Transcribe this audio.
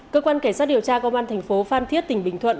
cơ quan cảnh sát điều tra công an thành phố phan thiết tỉnh bình thuận